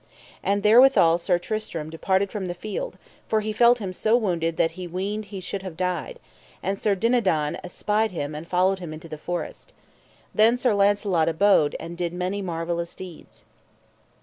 And therewithal Sir Tristram departed from the field, for he felt him so wounded that he weened he should have died; and Sir Dinadan espied him and followed him into the forest. Then Sir Launcelot abode and did many marvellous deeds.